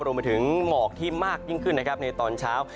รวมไปถึงหมอกที่มากยิ่งขึ้นนะครับในตอนเช้า